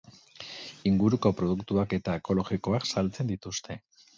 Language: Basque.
Inguruko produktuak eta ekologikoak saltzen dituzte.